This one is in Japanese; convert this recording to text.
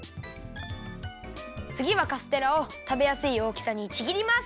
つぎはカステラをたべやすいおおきさにちぎります。